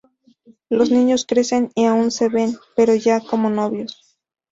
Los niños crecen y aún se ven, pero ya como novios.